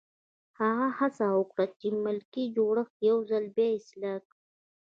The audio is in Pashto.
هغه هڅه وکړه چې ملکي جوړښت یو ځل بیا اصلاح کړي.